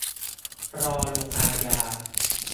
รอลงอาญา